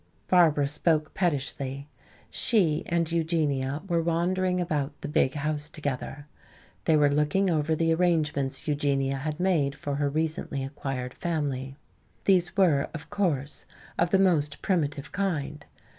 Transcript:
Barbara spoke pettishly. She and Eugenia were wandering about the big house together. They were looking over the arrangements Eugenia had made for her recently acquired family. These were, of course, of the most primitive kind.